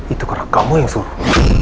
itu kamu yang suruh